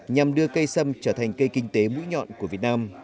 nhằm đưa cây sâm trở thành cây kinh tế mũi nhọn của việt nam